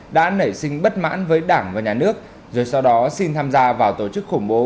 đã nảy sinh bất mãn với đảng và nhà nước rồi sau đó xin tham gia vào tổ chức khủng bố